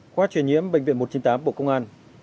khoa truyền nhiễm bệnh viện một trăm chín mươi tám bộ công an